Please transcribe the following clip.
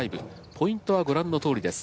ポイントはご覧のとおりです。